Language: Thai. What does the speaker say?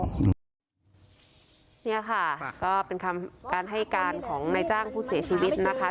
นี่ค่ะก็เป็นคำการให้การของนายจ้างผู้เสียชีวิตนะคะ